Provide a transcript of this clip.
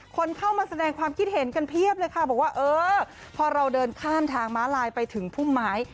คนเข้ามาแสดงความคิดเห็นกันเพียบเลยค่ะบอกว่าเออพอเราเดินข้ามทางม้าลายไปถึงพุ่มไม้